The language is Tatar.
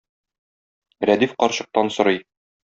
Рәдиф карчыктан сорый